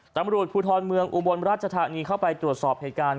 ตำรวจภูทรเมืองอุบลราชธานีเข้าไปตรวจสอบเหตุการณ์